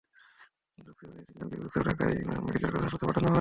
আহত ব্যক্তিদের মধ্যে তিনজনকে গুরুতর অবস্থায় ঢাকা মেডিকেল কলেজ হাসপাতালে পাঠানো হয়।